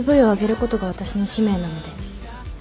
ＰＶを上げることが私の使命なので。